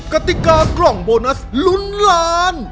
กติกากล่องโบนัสลุ้นล้าน